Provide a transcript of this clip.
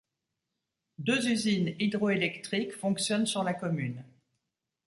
Deux usines hydroélectriques fonctionnent sur la commune.